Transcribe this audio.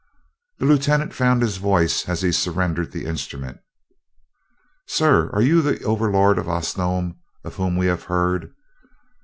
The lieutenant found his voice as he surrendered the instrument. "Sir, are you the Overlord of Osnome, of whom we have heard?